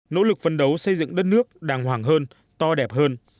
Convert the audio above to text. nỗ lực phấn đấu xây dựng đất nước đàng hoàng hơn to đẹp hơn